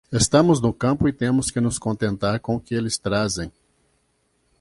Estamos no campo e temos que nos contentar com o que eles trazem.